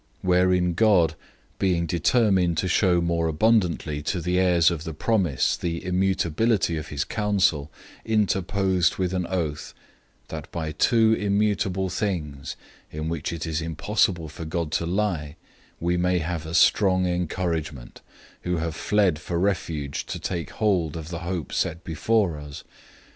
006:017 In this way God, being determined to show more abundantly to the heirs of the promise the immutability of his counsel, interposed with an oath; 006:018 that by two immutable things, in which it is impossible for God to lie, we may have a strong encouragement, who have fled for refuge to take hold of the hope set before us.